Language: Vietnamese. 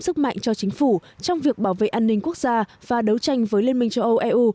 sức mạnh cho chính phủ trong việc bảo vệ an ninh quốc gia và đấu tranh với liên minh châu âu eu